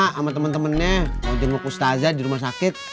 sama temen temennya mau jenguk ustazah di rumah sakit